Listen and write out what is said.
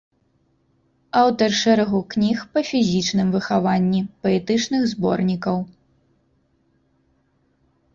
Аўтар шэрагу кніг па фізічным выхаванні, паэтычных зборнікаў.